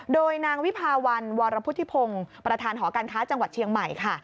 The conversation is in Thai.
โดยนางวิภาวันวรพุทธิพงศ์ประธานหอการค้าจังหวัดเชียงใหม่ค่ะ